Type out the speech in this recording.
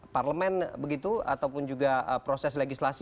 parlemen begitu ataupun juga proses legislasi